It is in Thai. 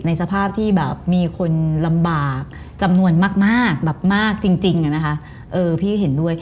ในสภาพที่มีคนลำบากจำนวนมากจริงพี่เห็นด้วย